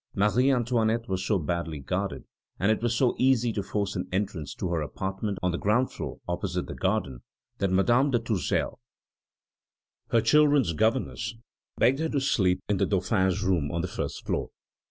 Marie Antoinette was so badly guarded, and it was so easy to force an entrance to her apartment on the ground floor, opposite the garden, that Madame de Tourzel, her children's governess, begged her to sleep in the Dauphin's room on the first floor.